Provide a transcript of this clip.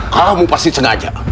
kamu pasti sengaja